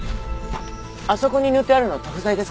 あそこに塗ってあるのは塗布剤ですか？